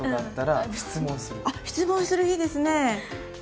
質問するいいですねえ。